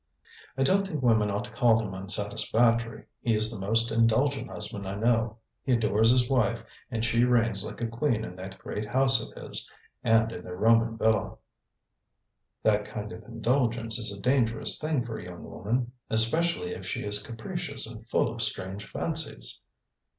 "I don't think women ought to call him unsatisfactory. He is the most indulgent husband I know. He adores his wife, and she reigns like a queen in that great house of his and in their Roman villa." "That kind of indulgence is a dangerous thing for a young woman especially if she is capricious and full of strange fancies."